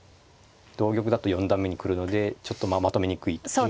同玉だと四段目に来るのでちょっとまとめにくいと。